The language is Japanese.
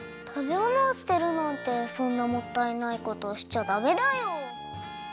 たべものを捨てるなんてそんなもったいないことしちゃダメだよ。